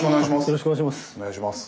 よろしくお願いします。